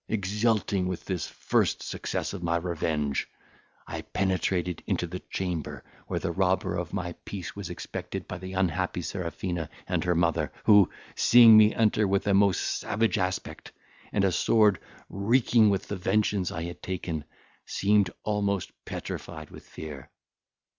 Exulting with this first success of my revenge, I penetrated into the chamber where the robber of my peace was expected by the unhappy Serafina and her mother, who, seeing me enter with a most savage aspect, and a sword reeking with the vengeance I had taken, seemed almost petrified with fear.